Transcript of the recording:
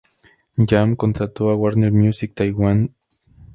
Jam contrató a Warner Music Taiwan Ltd.